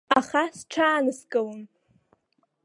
Аха сҽааныскылон.